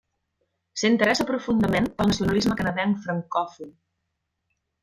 S'interessa profundament pel nacionalisme canadenc francòfon.